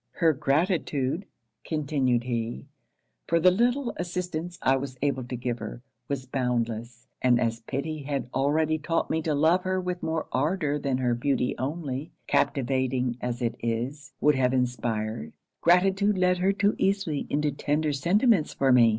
'Her gratitude,' continued he, 'for the little assistance I was able to give her, was boundless; and as pity had already taught me to love her with more ardour than her beauty only, captivating as it is, would have inspired; gratitude led her too easily into tender sentiments for me.